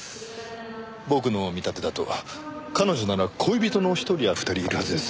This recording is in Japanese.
僕の見立てだと彼女なら恋人の１人や２人いるはずです。